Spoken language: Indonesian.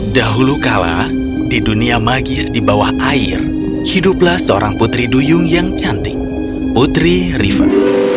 dahulu kala di dunia magis di bawah air hiduplah seorang putri duyung yang cantik putri river